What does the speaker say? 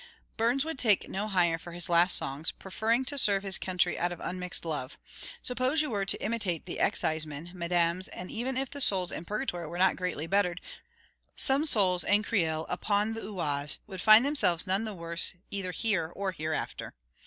Burns would take no hire for his last songs, preferring to serve his country out of unmixed love. Suppose you were to imitate the exciseman, mesdames, and even if the souls in purgatory were not greatly bettered, some souls in Creil upon the Oise would find themselves none the worse either here or hereafter.